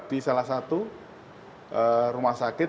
di salah satu rumah sakit